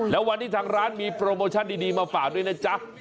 ขออนุญาตจำชื่อมีโปรโมชั่นดีมาฝากด้วยนะจ๊ะ